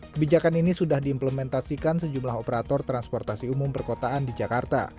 kebijakan ini sudah diimplementasikan sejumlah operator transportasi umum perkotaan di jakarta